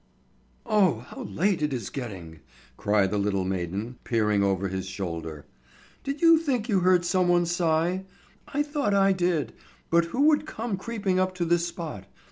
"Oh, how late it is getting!" cried the little maiden, peering over his shoulder. "Did you think you heard someone sigh? I thought I did, but who would come creeping up to this spot?